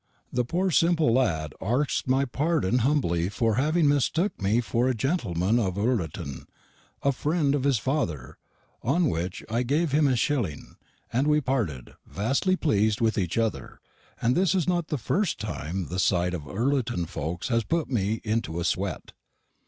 The pore simpel ladd arsk'd my pardonn humbly for having mistook me for a gentelman of Ullerton a frend of his father; on wich I gaive him a shillin, and we parted, vastly plesed with eche other; and this is nott the fust time the site of Ullerton fokes has putt me into a swett."